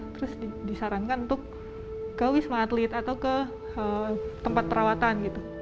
terus disarankan untuk ke wisma atlet atau ke tempat perawatan gitu